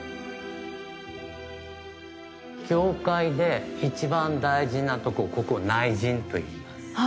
教会で一番大事なところここ内陣といいます。